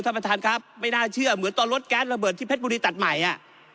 ท่านประธานครับไม่น่าเชื่อเหมือนตอนรถแก๊สระเบิดที่เพชรบุรีตัดใหม่อ่ะ